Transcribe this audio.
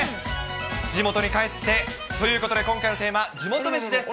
地元に帰って、ということで今回のテーマ、地元メシです。